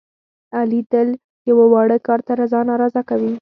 علي تل یوه واړه کار ته رضا نارضا کوي.